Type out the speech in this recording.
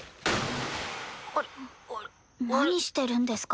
何してるんですか？